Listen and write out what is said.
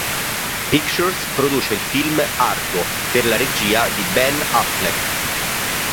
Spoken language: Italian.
Pictures produce il film "Argo", per la regia di Ben Affleck.